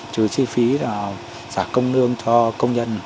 trừ chi phí là giả công lương cho công nhân